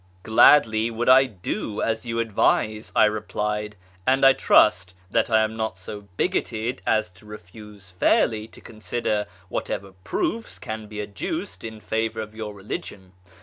" Gladly would I do as you advise," I replied, " and I trust that I am not so bigoted as to refuse fairly to consider whatever proofs can be adduced in favour of your religion.